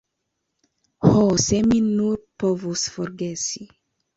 Ho, se mi nur povus forgesi.